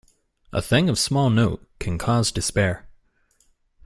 A thing of small note can cause despair.